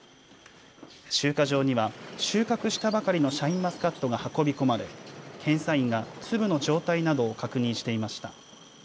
集荷場には収穫したばかりのシャインマスカットが運び込まれ検査員が粒の状態などを確認していました。